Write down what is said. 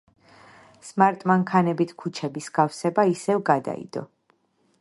სმარტ-მანქანებით ქუჩების გავსება ისევ გადაიდო.